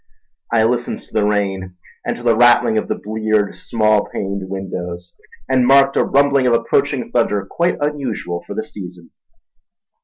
I listened to the rain, and to the rattling of the bleared, small paned windows, and marked a rumbling of approaching thunder quite unusual for the season.